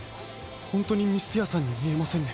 ほんとにミスティアさんにみえませんね。